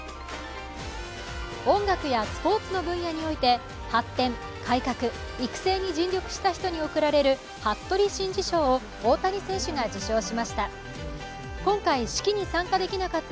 音楽やスポーツの分野において発展、改革、育成に尽力した人に贈られる服部真二賞を大谷選手が受賞しました。